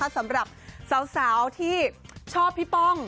สำหรับสาวที่ชอบพี่ป้อง